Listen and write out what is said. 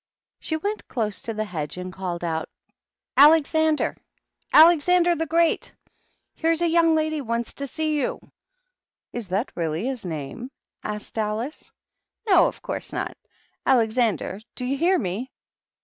She went close to the hedge, and called out, Alexander / Alexander the Great/ Here's a young lady wants to see you !" Is that really his name?" asked Alice. No, of course not! Alexander/ do you hear me?"